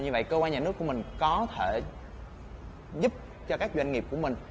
như vậy cơ quan nhà nước của mình có thể giúp cho các doanh nghiệp của mình